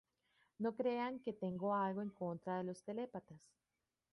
No crean que tengo algo en contra de los telépatas